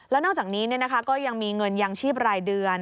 แล้วนอกจากนี้ก็ยังมีเงินยางชีพรายเดือน